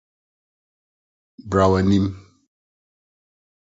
Bra w’anim